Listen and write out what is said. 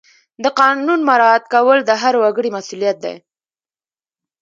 د قانون مراعات کول د هر وګړي مسؤلیت دی.